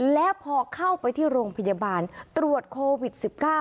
แล้วพอเข้าไปที่โรงพยาบาลตรวจโควิด๑๙